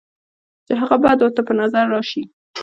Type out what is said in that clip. چې هغه بد ورته پۀ نظر راشي،